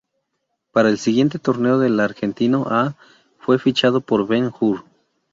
Para el siguiente torneo del Argentino A, fue fichado por Ben Hur.